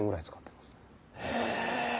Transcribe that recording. へえ。